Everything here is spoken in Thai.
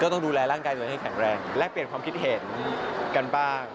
ก็ต้องดูแลร่างตรายไปแข็งแรงและเปลี่ยนความคิดเหตุกันบ้าง